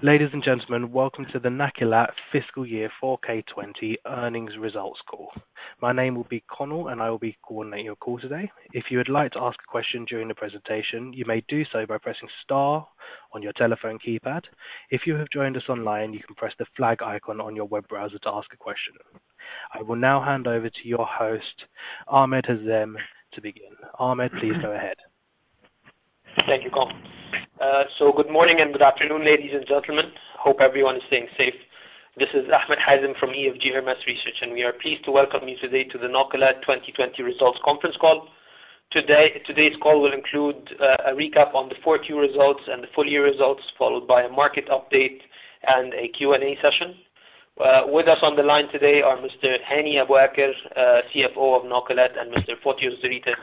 Ladies and gentlemen, welcome to the Nakilat Fiscal Year 2020 Earnings Results Call. My name will be Connell, and I will be coordinating your call today. If you would like to ask a question during the presentation, you may do so by pressing star on your telephone keypad. If you have joined us online, you can press the flag icon on your web browser to ask a question. I will now hand over to your host, Ahmed Hazem, to begin. Ahmed, please go ahead. Thank you, Connell. Good morning and good afternoon, ladies and gentlemen. Hope everyone is staying safe. This is Ahmed Hazem from EFG Hermes Research, and we are pleased to welcome you today to the Nakilat 2020 Results Conference Call. Today's call will include a recap on the fourth quarter results and the full-year results, followed by a market update and a Q&A session. With us on the line today are Mr. Hani Abuaker, CFO of Nakilat, and Mr. Fotios Dhourutis,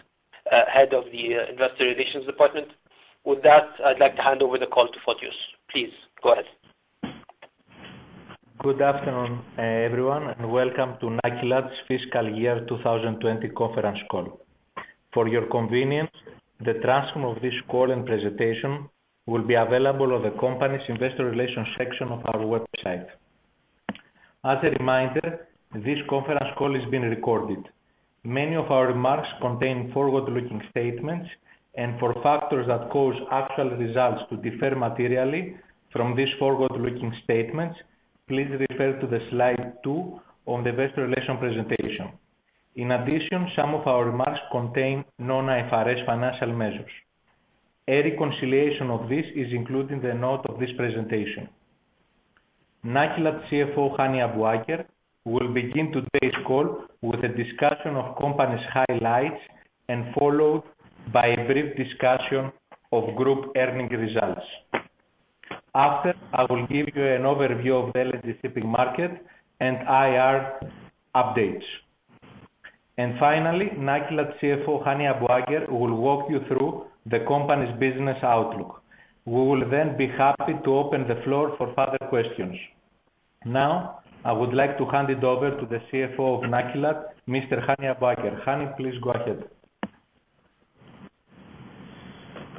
Head of the Investor Relations Department. I'd like to hand over the call to Fotios. Please, go ahead. Good afternoon, everyone, and welcome to Nakilat's Fiscal Year 2020 Conference Call. For your convenience, the transcript of this call and presentation will be available on the company's investor relations section of our website. As a reminder, this conference call is being recorded. Many of our remarks contain forward-looking statements, and for factors that cause actual results to differ materially from these forward-looking statements, please refer to Slide 2 on the investor relations presentation. In addition, some of our remarks contain non-IFRS financial measures. A reconciliation of this is included in the notes of this presentation. Nakilat CFO, Hani Abuaker, will begin today's call with a discussion of company's highlights, followed by a brief discussion of group earnings results. After, I will give you an overview of the LNG shipping market and IR updates. Finally, Nakilat CFO, Hani Abuaker, will walk you through the company's business outlook. We will be happy to open the floor for further questions. Now, I would like to hand it over to the CFO of Nakilat, Mr. Hani Abuaker. Hani, please go ahead.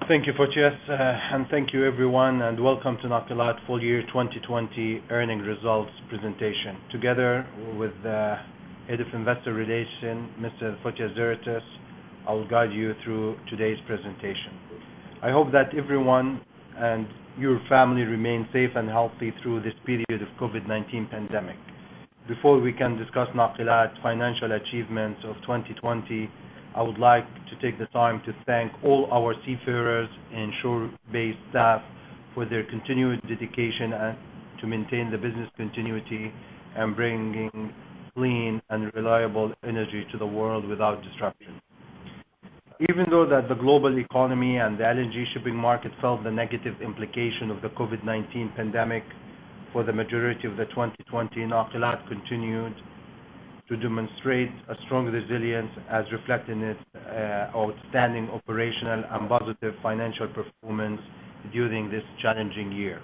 Thank you, Fotios, and thank you, everyone, welcome to Nakilat Full Year 2020 Earnings Results Presentation. Together with Head of Investor Relations, Mr. Fotios Dhourutis, I will guide you through today's presentation. I hope that everyone and your family remain safe and healthy through this period of COVID-19 pandemic. Before we can discuss Nakilat's financial achievements of 2020, I would like to take the time to thank all our seafarers and shore-based staff for their continued dedication to maintain the business continuity and bringing clean and reliable energy to the world without disruption. Even though that the global economy and the LNG shipping market felt the negative implication of the COVID-19 pandemic for the majority of the 2020, Nakilat continued to demonstrate a strong resilience as reflected in its outstanding operational and positive financial performance during this challenging year.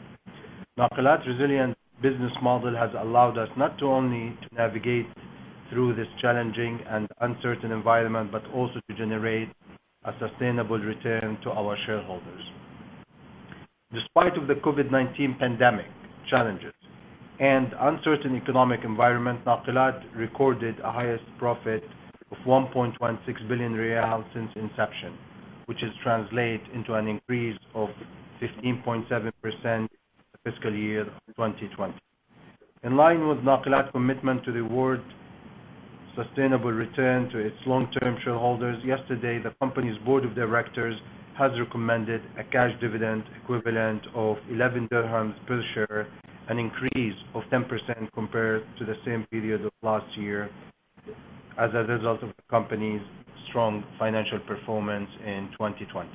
Nakilat's resilient business model has allowed us not only to navigate through this challenging and uncertain environment, but also to generate a sustainable return to our shareholders. Despite of the COVID-19 pandemic challenges and uncertain economic environment, Nakilat recorded a highest profit of QAR 1.16 billion since inception, which translates into an increase of 15.7% fiscal year 2020. In line with Nakilat's commitment to reward sustainable return to its long-term shareholders, yesterday, the company's board of directors has recommended a cash dividend equivalent of QAR 11 per share, an increase of 10% compared to the same period of last year, as a result of the company's strong financial performance in 2020.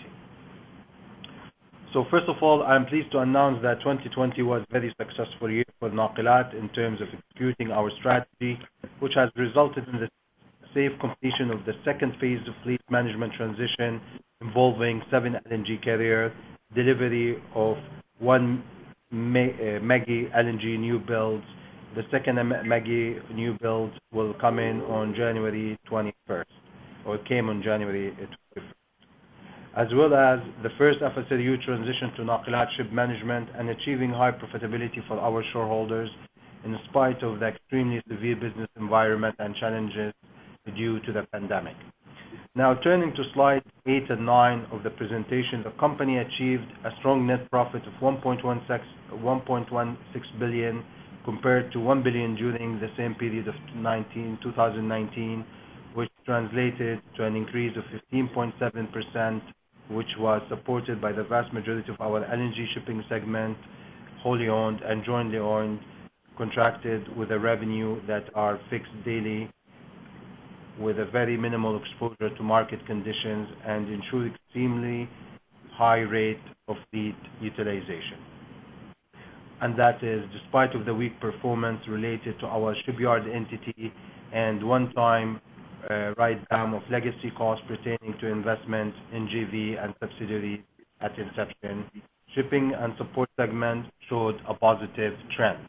First of all, I'm pleased to announce that 2020 was a very successful year for Nakilat in terms of executing our strategy, which has resulted in the safe completion of the 2nd phase of fleet management transition involving seven LNG carrier delivery of one ME-GI LNG newbuild. The 2nd ME-GI newbuild will come in on January 21st, or came on January 21st. As well as the 1st FSRU transition to Nakilat Shipping Qatar Limited and achieving high profitability for our shareholders in spite of the extremely severe business environment and challenges due to the pandemic. Turning to Slide eight and nine of the presentation, the company achieved a strong net profit of 1.16 billion, compared to 1 billion during the same period of 2019, which translated to an increase of 15.7%, which was supported by the vast majority of our LNG shipping segment, wholly owned and jointly owned, contracted with a revenue that is fixed daily with a very minimal exposure to market conditions and ensure extremely high rate of fleet utilization. That is despite of the weak performance related to our shipyard entity and one-time write down of legacy costs pertaining to investments in JV and subsidiary at inception. Shipping and support segment showed a positive trend.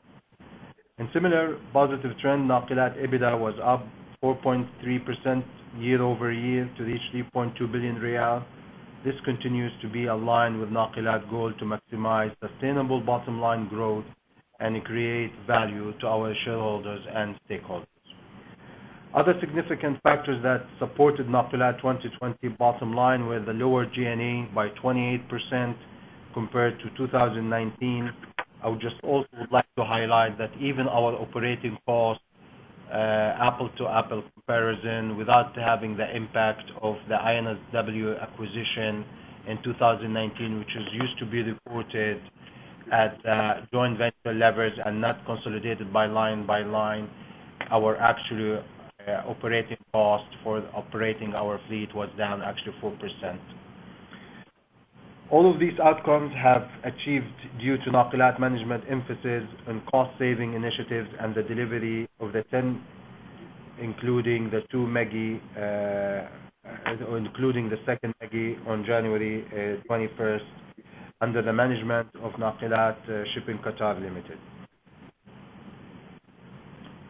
In similar positive trend, Nakilat EBITDA was up 4.3% year-over-year to reach 3.2 billion riyal. This continues to be aligned with Nakilat goal to maximize sustainable bottom line growth and create value to our shareholders and stakeholders. Other significant factors that supported Nakilat 2020 bottom line were the lower G&A by 28% compared to 2019. I would just also like to highlight that even our operating cost, apples-to-apples comparison, without having the impact of the INSW acquisition in 2019, which is used to be reported at joint venture levels and not consolidated by line. Our actual operating cost for operating our fleet was down actually 4%. All of these outcomes have achieved due to Nakilat management emphasis on cost saving initiatives and the delivery of the 10, including the second Q-Max on January 21st, under the management of Nakilat Shipping Qatar Limited.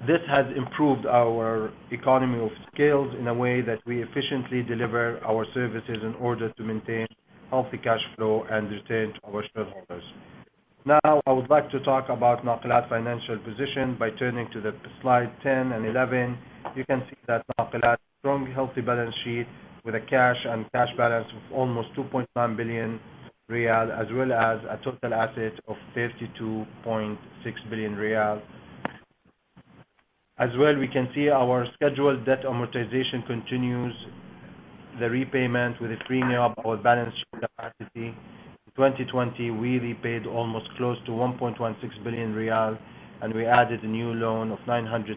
This has improved our economies of scale in a way that we efficiently deliver our services in order to maintain healthy cash flow and return to our shareholders. I would like to talk about Nakilat financial position by turning to the slide 10 and 11. You can see that Nakilat strong, healthy balance sheet with a cash and cash balance of almost QR 2.9 billion, as well as a total asset of QR 52.6 billion. We can see our scheduled debt amortization continues the repayment with the freeing up our balance sheet capacity. In 2020, we repaid almost close to QR 1.16 billion, we added a new loan of $910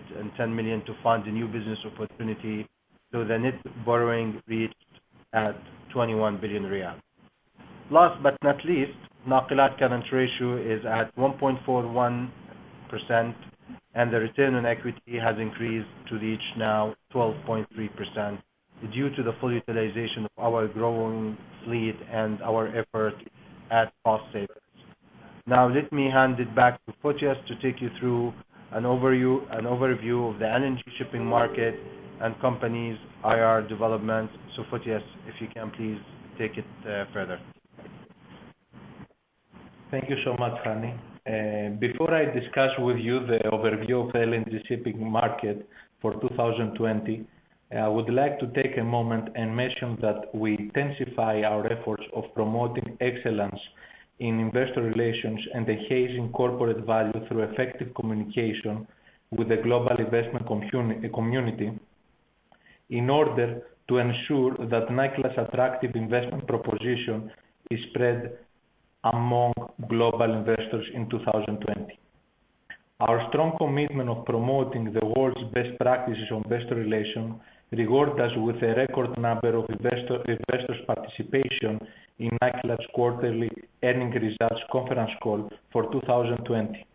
million to fund a new business opportunity, the net borrowing reached at QR 21 billion. Last but not least, Nakilat current ratio is at 1.41%, the return on equity has increased to reach now 12.3% due to the full utilization of our growing fleet and our effort at cost savings. Let me hand it back to Fotis to take you through an overview of the LNG shipping market and company's IR development. Fotis, if you can please, take it further. Thank you so much, Hani. Before I discuss with you the overview of LNG shipping market for 2020, I would like to take a moment and mention that we intensify our efforts of promoting excellence in investor relations and enhancing corporate value through effective communication with the global investment community in order to ensure that Nakilat attractive investment proposition is spread among global investors in 2020. Our strong commitment of promoting the world's best practices on investor relations reward us with a record number of investors participation in Nakilat quarterly earning results conference call for 2020.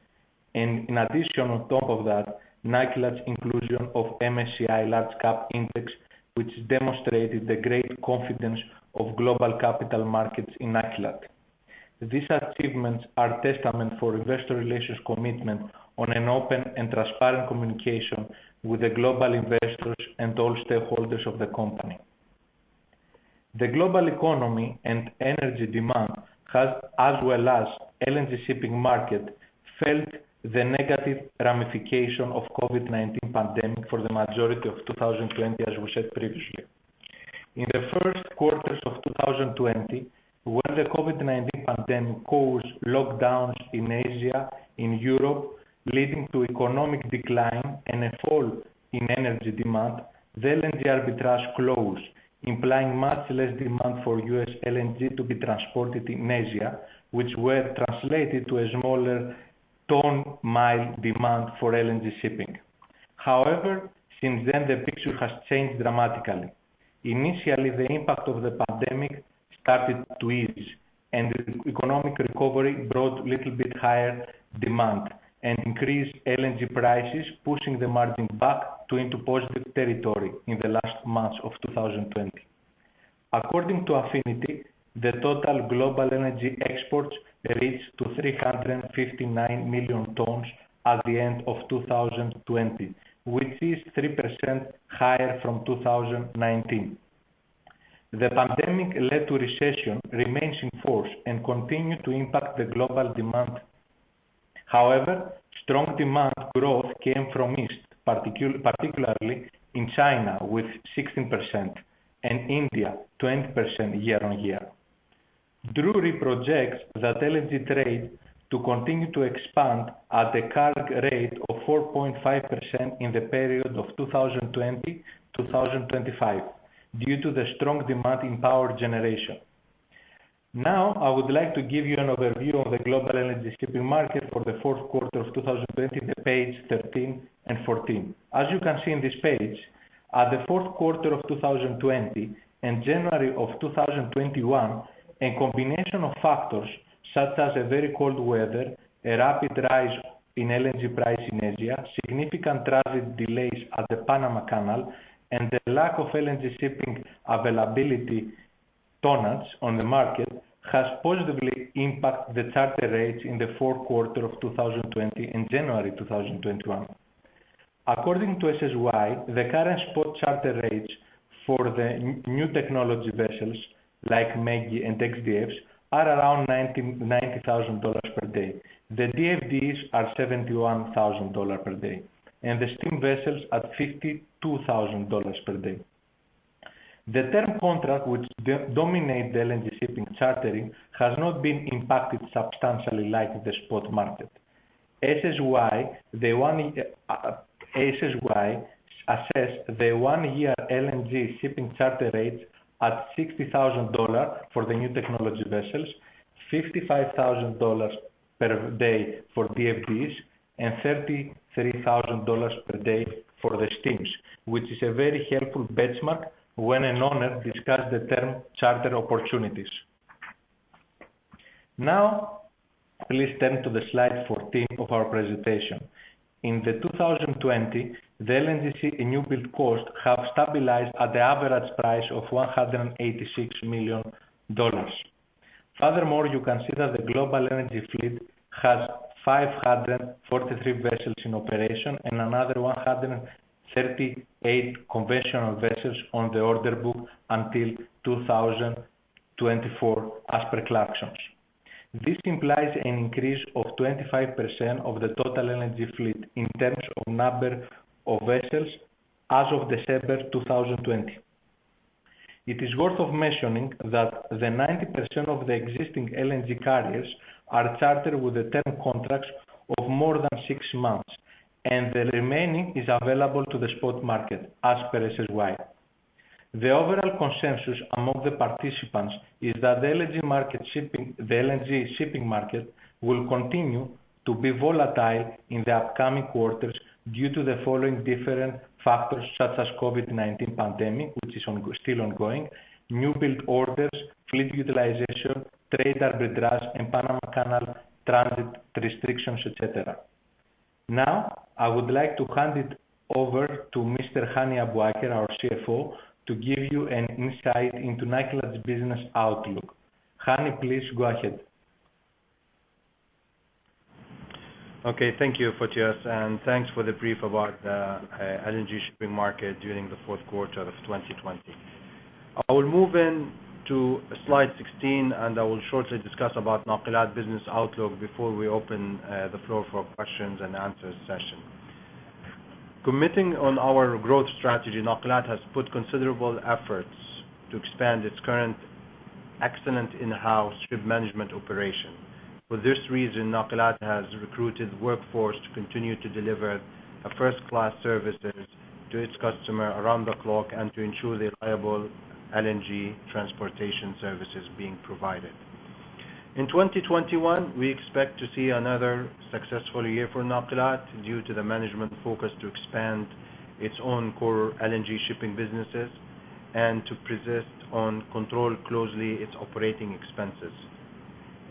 In addition, on top of that, Nakilat inclusion of MSCI Large Cap Index, which demonstrated the great confidence of global capital markets in Nakilat. These achievements are testament to investor relations commitment on an open and transparent communication with the global investors and all stakeholders of the company. The global economy and energy demand, as well as LNG shipping market, felt the negative ramification of COVID-19 pandemic for the majority of 2020, as we said previously. In the first quarters of 2020, when the COVID-19 pandemic caused lockdowns in Asia, in Europe, leading to economic decline and a fall in energy demand, the LNG arbitrage closed, implying much less demand for U.S. LNG to be transported in Asia, which were translated to a smaller tonne-mile demand for LNG shipping. However, since then, the picture has changed dramatically. Initially, the impact of the pandemic started to ease, and the economic recovery brought little bit higher demand and increased LNG prices, pushing the margin back into positive territory in the last months of 2020. According to Affinity, the total global energy exports reached to 359 million tons at the end of 2020, which is 3% higher from 2019. The pandemic-led recession remains in force and continue to impact the global demand. Strong demand growth came from East, particularly in China with 16% and India 20% year-on-year. Drewry projects that LNG trade to continue to expand at the current rate of 4.5% in the period of 2020 to 2025 due to the strong demand in power generation. Now, I would like to give you an overview of the global energy shipping market for the fourth quarter of 2020, the page 13 and 14. As you can see in this page, at the fourth quarter of 2020 and January of 2021, a combination of factors such as a very cold weather, a rapid rise in LNG price in Asia, significant transit delays at the Panama Canal, and the lack of LNG shipping availability Tonnage on the market has positively impacted the charter rates in the fourth quarter of 2020 and January 2021. According to SSY, the current spot charter rates for the new technology vessels like ME-GI and X-DFs are around $90,000 per day. The DFDEs are $71,000 per day, and the steam vessels at $52,000 per day. The term contract, which dominate the LNG shipping chartering, has not been impacted substantially like the spot market. SSY assess the one-year LNG shipping charter rates at $60,000 for the new technology vessels, $55,000 per day for DFDEs, and $33,000 per day for the steams. Which is a very helpful benchmark when an owner discuss the term charter opportunities. Now, please turn to the slide 14 of our presentation. In the 2020, the LNG sea new build cost have stabilized at the average price of $186 million. Furthermore, you can see that the global LNG fleet has 543 vessels in operation and another 138 conventional vessels on the order book until 2024 as per Clarksons. This implies an increase of 25% of the total LNG fleet in terms of number of vessels as of December 2020. It is worth of mentioning that the 90% of the existing LNG carriers are chartered with the term contracts of more than six months, and the remaining is available to the spot market as per SSY. The overall consensus among the participants is that the LNG shipping market will continue to be volatile in the upcoming quarters due to the following different factors, such as COVID-19 pandemic, which is still ongoing, new build orders, fleet utilization, trade arbitrage and Panama Canal transit restrictions, et cetera. I would like to hand it over to Mr. Hani Abuaker, our CFO, to give you an insight into Nakilat business outlook. Hani, please go ahead. Okay. Thank you, Fotios, and thanks for the brief about the LNG shipping market during the fourth quarter of 2020. I will move in to slide 16, I will shortly discuss about Nakilat business outlook before we open the floor for questions and answers session. Committing on our growth strategy, Nakilat has put considerable efforts to expand its current excellent in-house ship management operation. For this reason, Nakilat has recruited workforce to continue to deliver a first-class services to its customer around the clock and to ensure the reliable LNG transportation services being provided. In 2021, we expect to see another successful year for Nakilat due to the management focus to expand its own core LNG shipping businesses and to persist on control closely its operating expenses.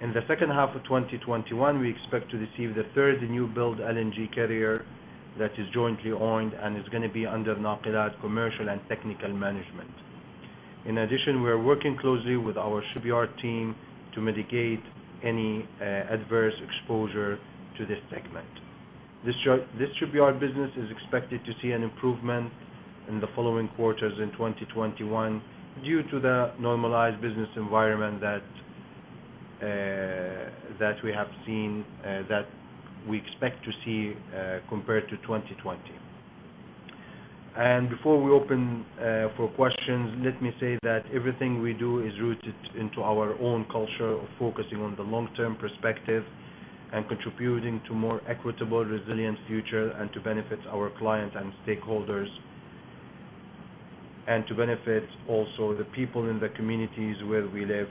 In the second half of 2021, we expect to receive the third new build LNG carrier that is jointly owned and is going to be under Nakilat commercial and technical management. In addition, we're working closely with our shipyard team to mitigate any adverse exposure to this segment. This shipyard business is expected to see an improvement in the following quarters in 2021 due to the normalized business environment that we expect to see, compared to 2020. Before we open for questions, let me say that everything we do is rooted into our own culture of focusing on the long-term perspective and contributing to more equitable, resilient future, to benefit our client and stakeholders. To benefit also the people in the communities where we live,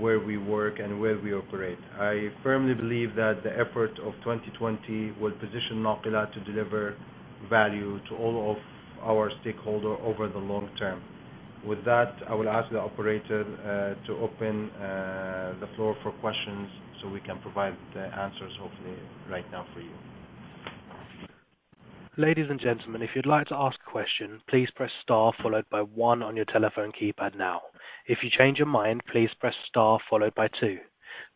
where we work and where we operate. I firmly believe that the effort of 2020 will position Nakilat to deliver value to all of our stakeholder over the long term. With that, I will ask the operator to open the floor for questions so we can provide the answers, hopefully, right now for you. Ladies and gentlemen, if you'd like to ask a question, please press star 1 on your telephone keypad now. If you change your mind, please press star 2.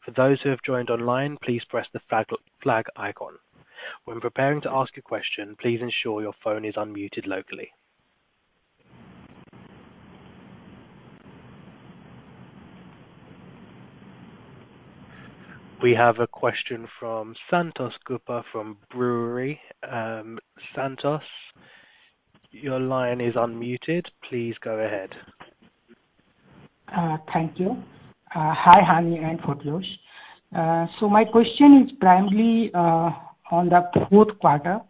For those who have joined online, please press the flag icon. When preparing to ask a question, please ensure your phone is unmuted locally. We have a question from Santosh Gupta from Drewry. Santosh, your line is unmuted. Please go ahead. Thank you. Hi, Hani and Fotios. My question is primarily on the fourth quarter.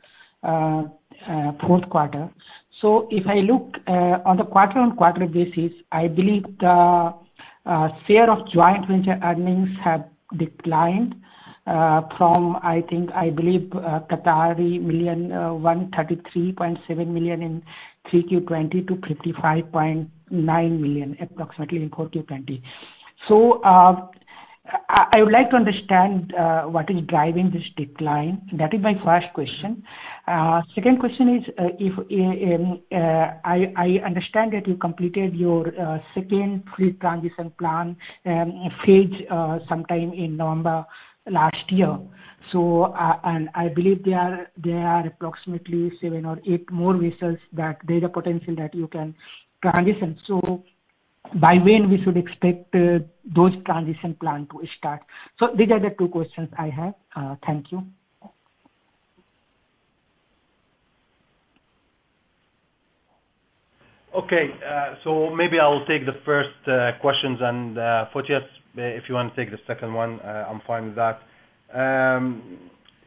If I look on the quarter-on-quarter basis, I believe the share of joint venture earnings have declined from, I think, 133.7 million in 3Q 2020 to 55.9 million approximately in 4Q 2020. I would like to understand what is driving this decline. That is my first question. Second question is, I understand that you completed your second fleet transition plan phase sometime in November last year. And I believe there are approximately seven or eight more vessels that there's a potential that you can transition. By when we should expect those transition plan to start? These are the two questions I have. Thank you. Okay. Maybe I will take the first question and, Fotios, if you want to take the second one, I'm fine with that.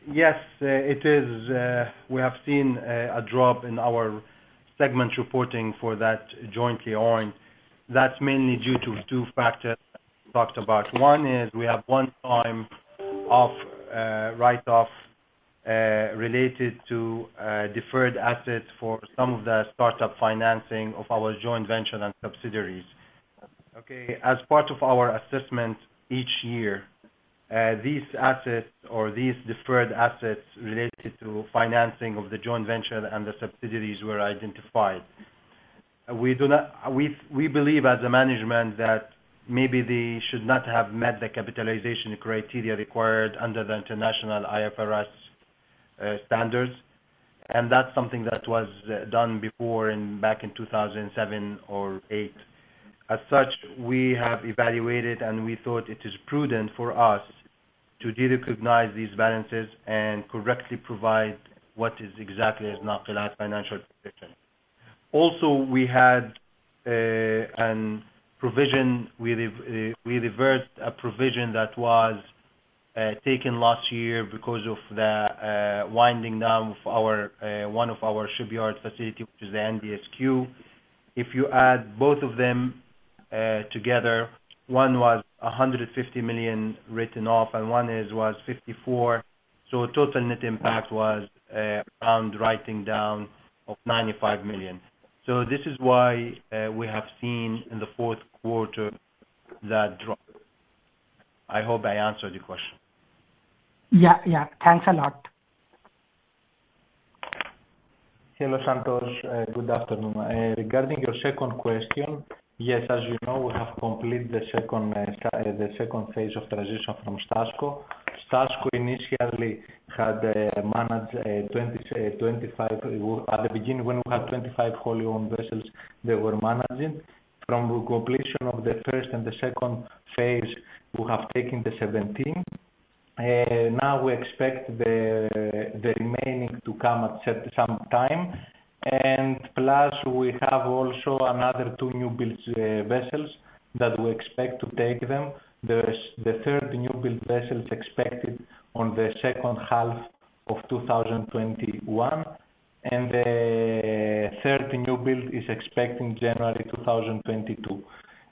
Yes, we have seen a drop in our segment reporting for that jointly owned. That's mainly due to two factors we talked about. One is we have one-time write-off related to deferred assets for some of the start-up financing of our joint venture and subsidiaries. Okay, as part of our assessment each year, these assets or these deferred assets related to financing of the joint venture and the subsidiaries were identified. We believe as a management that maybe they should not have met the capitalization criteria required under the international IFRS standards, and that's something that was done before back in 2007 or 2008. As such, we have evaluated, and we thought it is prudent for us to derecognize these balances and correctly provide what is exactly as Nakilat's financial position. Also, we had a provision. We reversed a provision that was taken last year because of the winding down of one of our shipyard facility, which is the NDSQ. If you add both of them together, one was 150 million written off and one was 54 million. Total net impact was around writing down of 95 million. This is why we have seen in the fourth quarter that drop. I hope I answered your question. Yeah. Thanks a lot. Hello, Santosh. Good afternoon. Regarding your second question, yes, as you know, we have completed the second phase of transition from STASCO. STASCO initially had, at the beginning, when we had 25 wholly owned vessels they were managing. From the completion of the first and the second phase, we have taken the 17. Plus, we have also another two new build vessels that we expect to take them. The third new build vessel is expected on the second half of 2021, and the third new build is expected January 2022.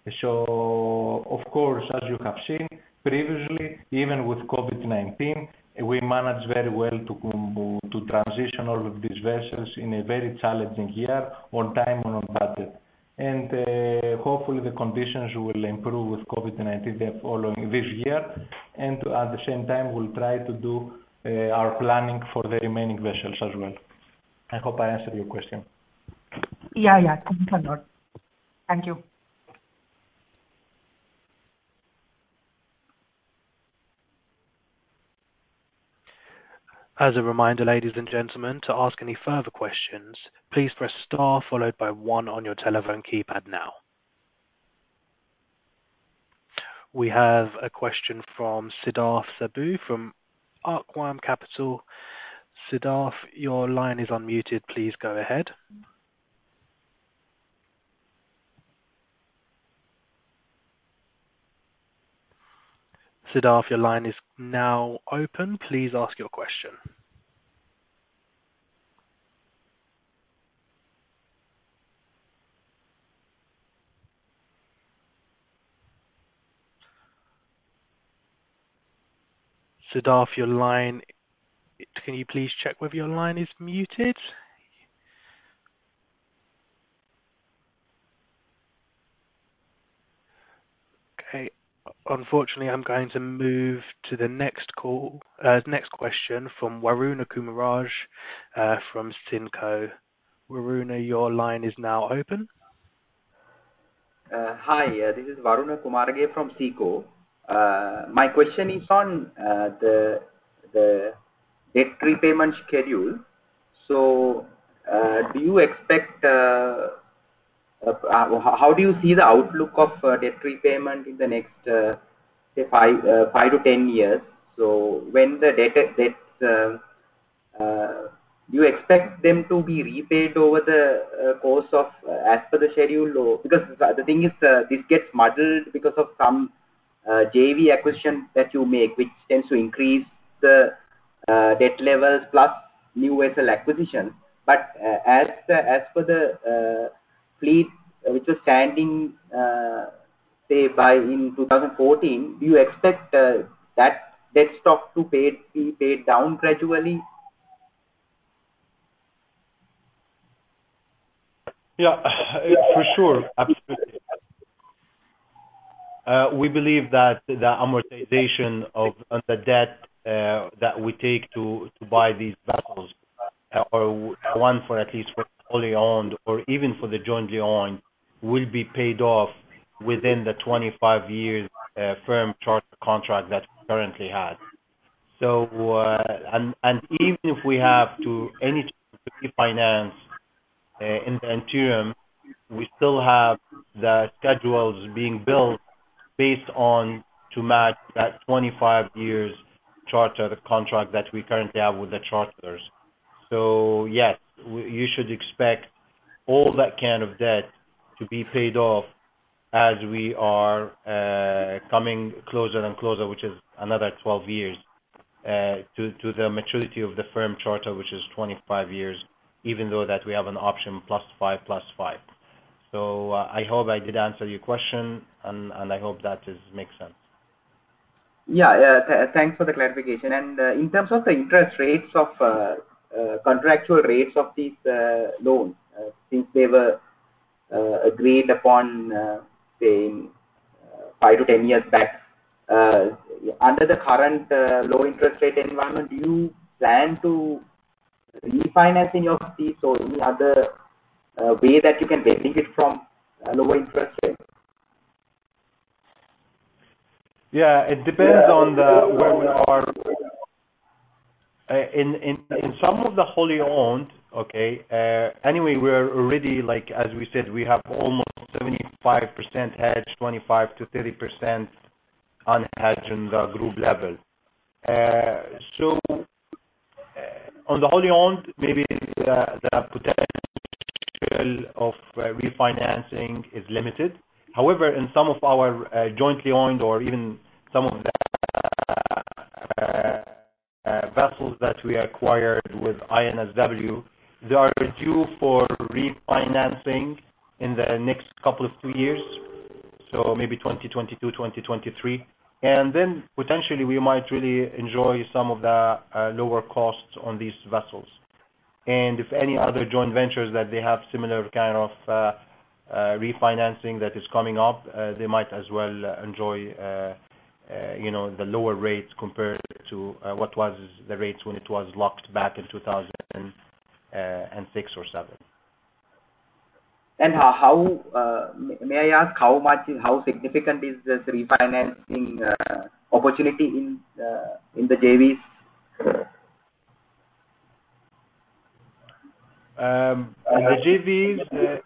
Of course, as you have seen previously, even with COVID-19, we managed very well to transition all of these vessels in a very challenging year, on time and on budget. Hopefully, the conditions will improve with COVID-19 the following this year and at the same time, we will try to do our planning for the remaining vessels as well. I hope I answered your question. Yeah. Thanks a lot. Thank you. As a reminder, ladies and gentlemen, to ask any further questions, please press star followed by one on your telephone keypad now. We have a question from Siddharth Subbu from Arqaam Capital. Siddharth, your line is unmuted, please go ahead. Siddharth, your line is now open. Please ask your question. Siddharth, can you please check whether your line is muted? Okay. Unfortunately, I am going to move to the next question from Waruna Kumarage from SICO. Waruna, your line is now open. Hi. This is Waruna Kumarage from SICO. My question is on the debt repayment schedule. How do you see the outlook of debt repayment in the next, say five to 10 years? When the debts, do you expect them to be repaid over the course as per the schedule? Because the thing is, this gets muddled because of some JV acquisition that you make, which tends to increase the debt levels plus new vessel acquisitions. As for the fleet which was standing, say in 2014, do you expect that debt stock to be paid down gradually? Yeah, for sure. Absolutely. We believe that the amortization of the debt that we take to buy these vessels, or one for at least for wholly owned or even for the jointly owned, will be paid off within the 25 years firm charter contract that we currently have. Even if we have to any time refinance in the interim, we still have the schedules being built based on to match that 25 years charter, the contract that we currently have with the charterers. Yes, you should expect all that kind of debt to be paid off as we are coming closer and closer, which is another 12 years, to the maturity of the firm charter, which is 25 years, even though that we have an option plus five plus five. I hope I did answer your question, and I hope that makes sense. Yeah. Thanks for the clarification. In terms of the interest rates of contractual rates of these loans, since they were agreed upon, say, five to 10 years back. Under the current low interest rate environment, do you plan to refinancing of these or any other way that you can benefit from a lower interest rate? Yeah, it depends on where we are. In some of the wholly owned, okay. We're already like, as we said, we have almost 75% hedged, 25%-30% unhedged in the group level. On the wholly owned, maybe the potential of refinancing is limited. However, in some of our jointly owned or even some of the vessels that we acquired with INSW, they are due for refinancing in the next couple of two years, maybe 2022, 2023. Potentially we might really enjoy some of the lower costs on these vessels. If any other joint ventures that they have similar kind of refinancing that is coming up, they might as well enjoy the lower rates compared to what was the rates when it was locked back in 2006 or 2007. May I ask how significant is this refinancing opportunity in the JVs? In the JVs,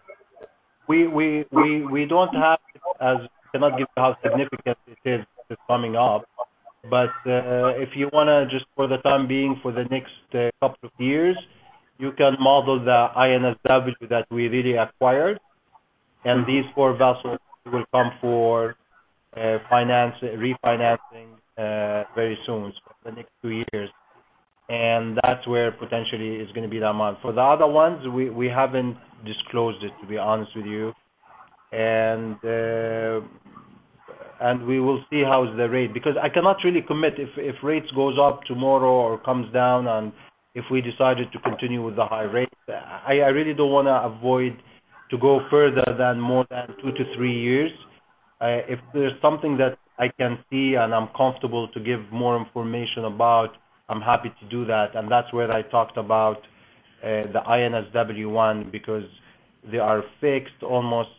we cannot give how significant it is, it is coming up. If you want to, just for the time being, for the next couple of years, you can model the INSW that we really acquired, and these four vessels will come for refinancing very soon, the next two years. That's where potentially is going to be the amount. For the other ones, we haven't disclosed it, to be honest with you. We will see how is the rate, because I cannot really commit if rates goes up tomorrow or comes down and if we decided to continue with the high rates. I really don't want to avoid to go further than more than two to three years. If there's something that I can see and I'm comfortable to give more information about, I'm happy to do that. That's where I talked about the INSW one, because they are fixed almost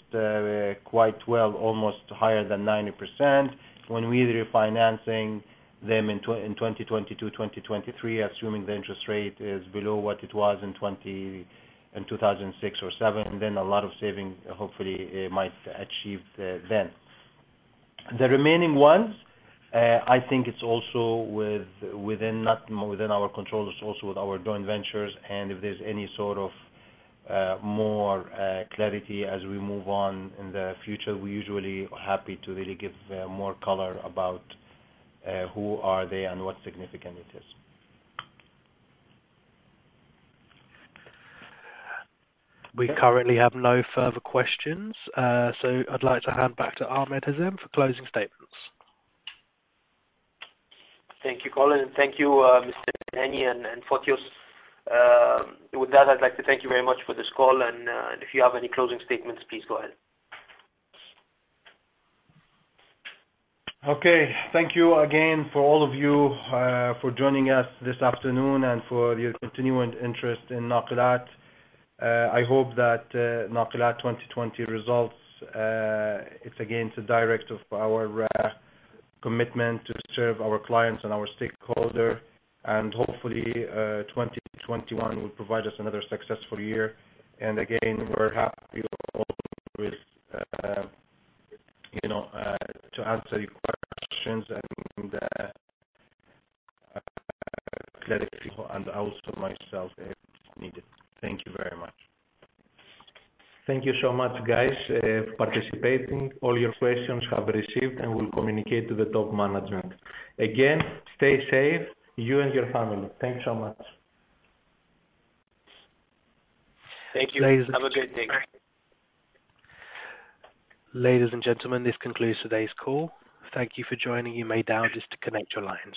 quite well, almost higher than 90%. When we refinancing them in 2022, 2023, assuming the interest rate is below what it was in 2006 or 2007, then a lot of saving, hopefully, might achieve then. The remaining ones, I think it's also within our control, it's also with our joint ventures. If there's any sort of more clarity as we move on in the future, we usually are happy to really give more color about who are they and what significant it is. We currently have no further questions. I'd like to hand back to Ahmed Hazem for closing statements. Thank you, Colin, and thank you, Mr. Danny and Fotios. With that, I'd like to thank you very much for this call, and if you have any closing statements, please go ahead. Okay. Thank you again for all of you for joining us this afternoon and for your continuing interest in Nakilat. I hope that Nakilat 2020 results, it's a direct of our commitment to serve our clients and our stakeholder. Hopefully, 2021 will provide us another successful year. Again, we're happy always to answer your questions and clarity, and also myself if needed. Thank you very much. Thank you so much, guys, participating. All your questions have received and we'll communicate to the top management. Again, stay safe, you and your family. Thank you so much. Thank you. Have a great day. Ladies and gentlemen, this concludes today's call. Thank you for joining. You may now disconnect your lines.